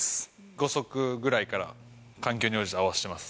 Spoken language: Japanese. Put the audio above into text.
５足くらいから、環境に応じて合わせてます。